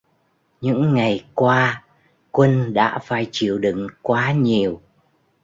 Những ngày qua Quân đã phải chịu đựng quá nhiều